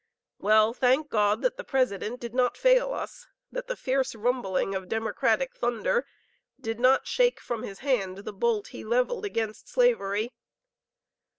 Well, thank God that the President did not fail us, that the fierce rumbling of democratic thunder did not shake from his hand the bolt he leveled against slavery.